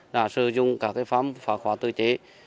đã sử dụng các phám phá khóa tự chế